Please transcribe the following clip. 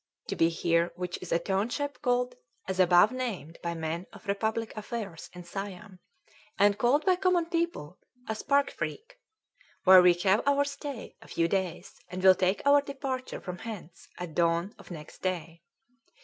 to be here which is a township called as above named by men of republick affairs in Siam, & called by common people as 'Parkphrieck' where we have our stay a few days & will take our departure from hence at dawn of next day.